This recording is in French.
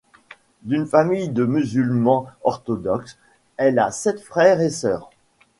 D'une famille de musulmans orthodoxes, elle a sept frères et sœurs.